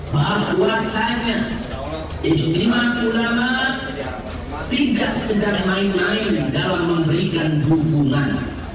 bahwasannya istimewa ulama tidak sedang main main dalam memberikan dukungan